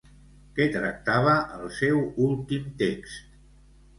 Què tractava el seu últim text?